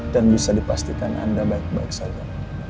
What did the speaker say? dan bisa dipastikan anda baik baik saja